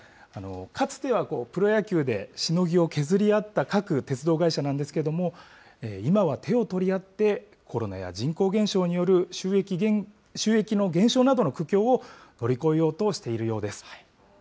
かつてはプロ野球でしのぎを削り合った各鉄道会社なんですけども、今は手を取り合って、コロナや人口減少による収益の減少などの苦境を乗り越えようとしているようです。